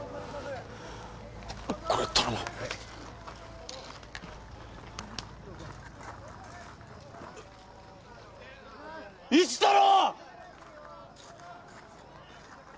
これ頼む一太郎！